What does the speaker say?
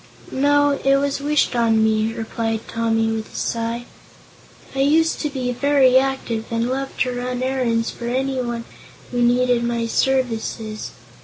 "No; it was wished on me," replied Tommy, with a sigh. "I used to be very active and loved to run errands for anyone who needed my services.